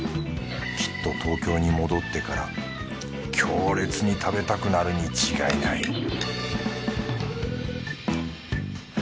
きっと東京に戻ってから強烈に食べたくなるに違いない